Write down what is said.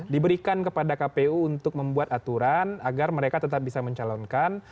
diberikan kepada kpu untuk membuat aturan agar mereka tetap bisa mencalonkan